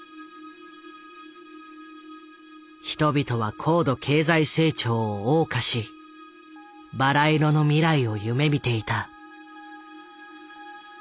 人々は高度経済成長を謳歌しバラ色の未来を夢みていた。